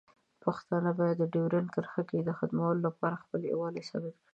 پښتانه باید د ډیورنډ کرښې د ختمولو لپاره خپل یووالی ثابت کړي.